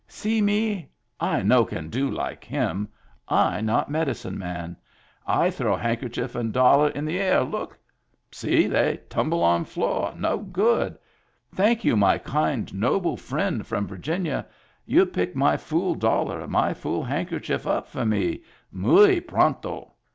See me. I no can do like him. I not medi cine man. I throw handkerchief and dollar in the air, look ! See ! they tumble on floor no good, — thank you, my kind noble friend from Virginia, you pick my fool dollar and my fool handkerchief up for me, muy pronto.